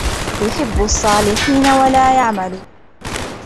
يُحِبُّ الصَّالِحِينَ وَلَا يَعْمَلُ